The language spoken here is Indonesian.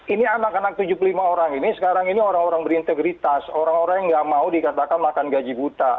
ini anak anak tujuh puluh lima orang ini sekarang ini orang orang berintegritas orang orang yang nggak mau dikatakan makan gaji buta